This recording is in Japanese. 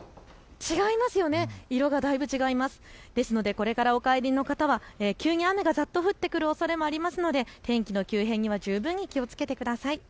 これからおかえりの方、急に雨がざっと降ってくるおそれもありますので天気の急変には十分に気をつけてください。